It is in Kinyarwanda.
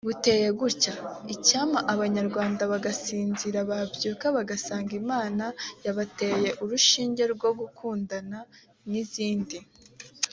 buteye gutya“Icyampa abanyarwanda bagasinzira babyuka bagasanga Imana yabateye urushinge rwo gukundana” n’izindi